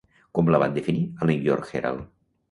Com la van definir al New-York Herald?